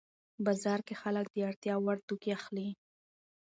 بازار کې خلک د اړتیا وړ توکي اخلي